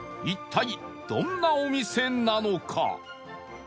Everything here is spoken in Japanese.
一体どんなお店なのか？